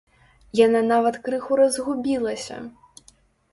Яна нават крыху разгубілася.